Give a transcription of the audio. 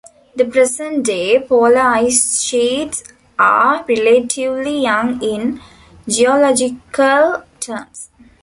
The present-day polar ice sheets are relatively young in geological terms.